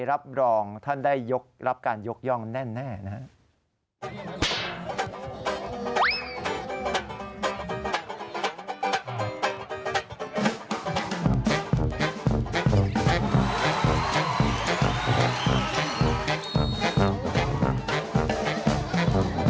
รับรองท่านได้ยกรับการยกย่องแน่นะครับ